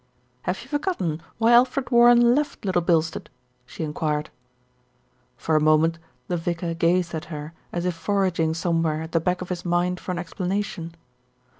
"Have you forgotten why Alfred Warren left Little Bilstead?" she enquired. For a moment the vicar gazed at her as if foraging somewhere at the back of his mind for an explanation.